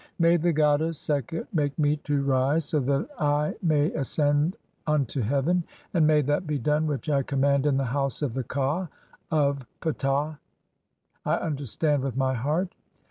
May the goddess Sekhet make me to rise "(7) so that I may ascend unto heaven, and may that be done "which I command in the House of the ka (double) of Ptah "(;'. e., Memphis). I understand with my heart.